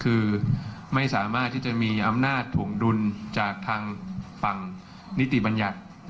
คือไม่สามารถที่จะมีอำนาจถวงดุลจากทางฝั่งนิติบัญญัติ